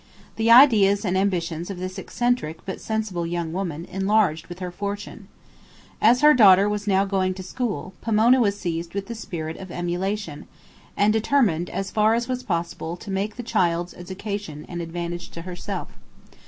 The ideas and ambitions of this eccentric but sensible young woman enlarged with her fortune. As her daughter was now going to school, Pomona was seized with the spirit of emulation, and determined as far as was possible to make the child's education an advantage to herself.